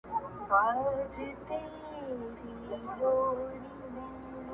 نه به زه یم نه به ته نه دا وطن وي.!